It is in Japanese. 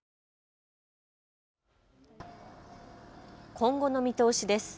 今後の見通しです。